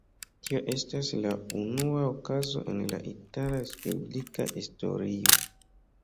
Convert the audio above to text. Tio estas la unua okazo en la itala respublika historio.